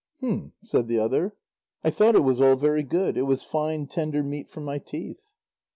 "Hum," said the other. "I thought it was all very good. It was fine tender meat for my teeth."